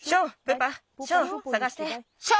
ショー！